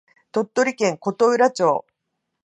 鳥取県琴浦町